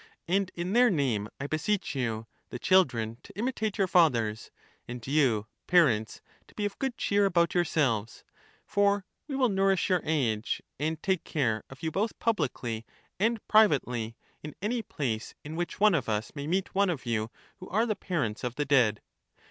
And in their name I beseech you, the children, to imitate your fathers, and you, parents, to be of good cheer about yourselves ; for we will nourish your age, and take care of you both publicly and privately in any place in which one of us may meet one of you who are the parents of the dead.